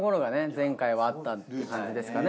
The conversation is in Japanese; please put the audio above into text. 前回はあったって感じですかね。